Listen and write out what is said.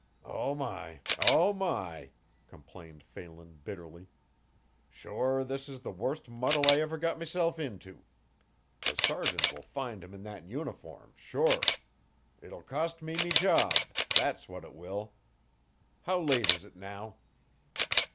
"Oh, my! oh, my!" complained Phelan bitterly. "Sure this is the worst muddle I ever got mesilf into! The sergeant will find him in that uniform, sure. It'll cost me me job, that's what it will! How late is it now?"